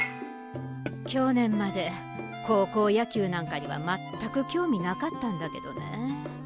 去年まで高校野球なんかには全く興味なかったんだけどね。